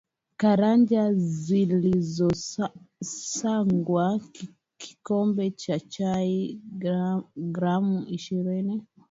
Karanga zilizosagwa kikombe cha chai gram ishirini